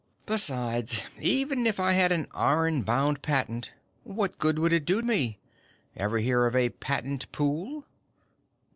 "Besides, even if I had an iron bound patent, what good would it do me? Ever hear of a patent pool?"